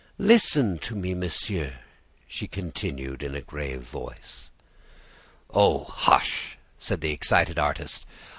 Listen to me, monsieur,' she continued in a grave voice. "'Oh, hush!' said the excited artist.